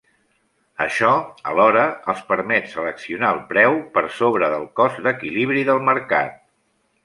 Això, alhora, els permet seleccionar el preu, per sobre del cost d'equilibri del mercat.